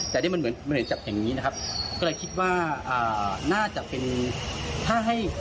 แต่นี่มันเหมือนจับอย่างนี้นะครับก็เลยคิดว่าอ่าน่าจะเป็นถ้าให้